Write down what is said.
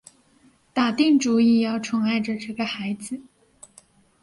打定主意要宠爱着这个孩子